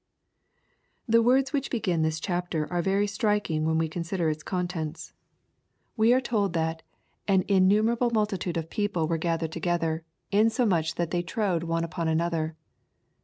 The words which begin this chapter are very striking when we consider its contents. We axe told that " aa 68 EXPOSITOR Y THOUGHTS. innumerable multitude of people were gathered together, insomuch that they trode one upon another."